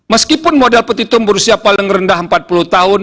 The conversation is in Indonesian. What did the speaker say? meskipun model petitum berusia paling rendah empat puluh tahun